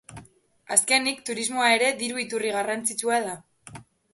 Azkenik turismoa ere diru iturri garrantzitsua da.